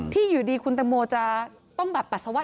ที่อยู่ดีคุณตะโมจะต้องบัดปัสสาวะ